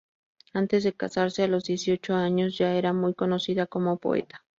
Antes de casarse a los dieciocho años, ya era muy conocida como poeta.